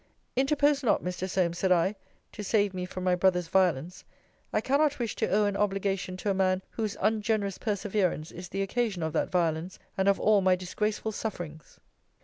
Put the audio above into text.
Interpose not, Mr. Solmes, said I, to save me from my brother's violence. I cannot wish to owe an obligation to a man whose ungenerous perseverance is the occasion of that violence, and of all my disgraceful sufferings.